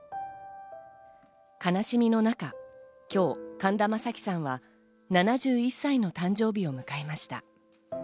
悲しみの中、今日、神田正輝さんは７１歳の誕生日を迎えました。